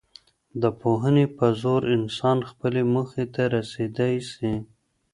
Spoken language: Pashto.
د پوهني په زور انسان خپلي موخې ته رسېدی سي.